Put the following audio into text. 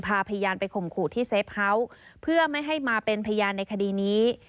พาพยานไปข่มขู่ที่เซฟเฮาส์เพื่อไม่ให้มาเป็นพยานในคดีนี้